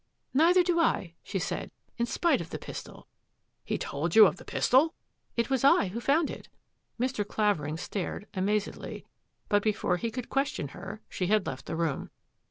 " Neither do I," she said, " in spite of the pis tol." « He told you of the pistol !"" It was I who found it." Mr. Clavering stared amazedly, but before he could question her, she had left the room.